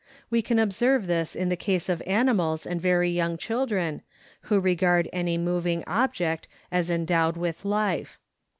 We can observe this in the case of animals and very young children, who regard any moving object as endowed with life.